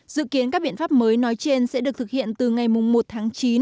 dự kiến các biện pháp mới nói trên sẽ được thực hiện từ ngày một tháng chín